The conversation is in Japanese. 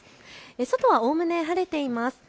外はおおむね晴れています。